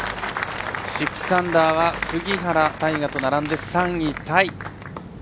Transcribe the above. ６アンダーは杉原大河と並んで３位タイ。